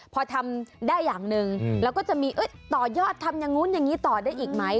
พอทำได้อย่างหนึ่งแล้วก็จะมีต่อยอดทำอย่างนู้นอย่างนี้ต่อได้อีกไหม